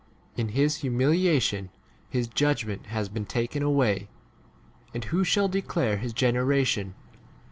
33 In his humiliation his judgment has been taken away, and who shall declare his generation?